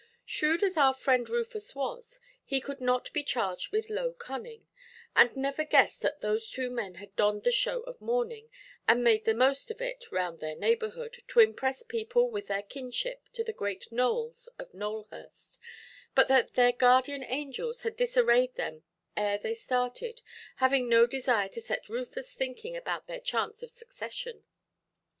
Shrewd as our friend Rufus was, he could not be charged with low cunning, and never guessed that those two men had donned the show of mourning, and made the most of it round their neighbourhood to impress people with their kinship to the great Nowells of Nowelhurst, but that their guardian angels had disarrayed them ere they started, having no desire to set Rufus thinking about their chance of succession.